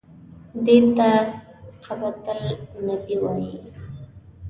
دې ته قبة النبي وایي.